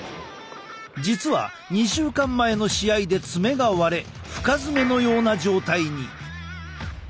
実は２週間前の試合で爪が割れ深爪のような状態に。